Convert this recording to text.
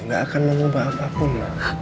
nggak akan mengubah apapun